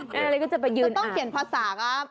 นี่ไงก็จะไปยืนอ่านก็ต้องเขียนภาษาครับ